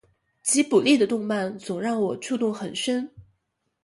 吉卜力的动漫总让我触动很深